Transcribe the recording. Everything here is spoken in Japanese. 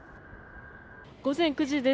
午前９時です。